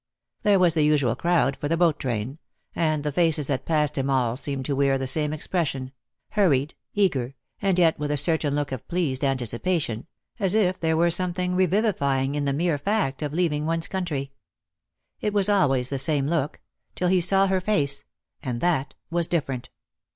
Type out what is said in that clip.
There was the usual crowd for the boat train, and the faces that passed him all seemed to wear the same expression, hurried, eager, and yet with a certain look of pleased anticipation, as if there were something revivifying in the mere fact of leaving one's country. It was always the same look — till he saw her face, and that was different.